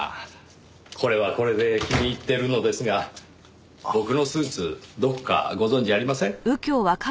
これはこれで気に入ってるのですが僕のスーツどこかご存じありません？